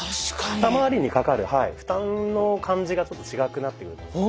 肩まわりにかかる負担の感じがちょっと違くなってくると思いますね。